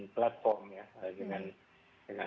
platform ya dengan